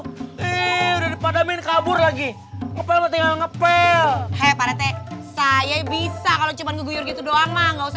masih ke apa gitu udah dipadami kabur lagi ngepel ngepel saya bisa cuma gitu doang nggak usah